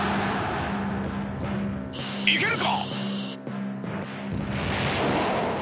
いけるか！？